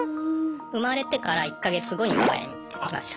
生まれてから１か月後に我が家に来ました。